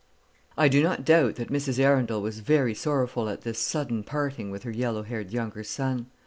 I do not doubt that Mrs Arundel was very sorrowful at this sudden parting with her yellow haired younger son.